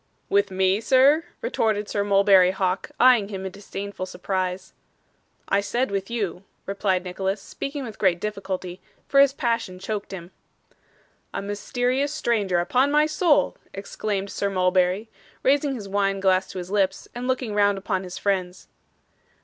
'With me, sir?' retorted Sir Mulberry Hawk, eyeing him in disdainful surprise. 'I said with you,' replied Nicholas, speaking with great difficulty, for his passion choked him. 'A mysterious stranger, upon my soul!' exclaimed Sir Mulberry, raising his wine glass to his lips, and looking round upon his friends.